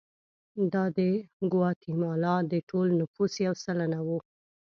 دا د ګواتیمالا د ټول نفوس یو سلنه وو.